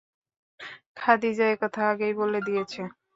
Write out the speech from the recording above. খাদিজা একথা আগেই বলে দিয়েছে।